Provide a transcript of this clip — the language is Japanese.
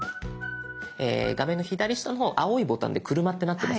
画面の左下の方青いボタンで「車」ってなってますよね。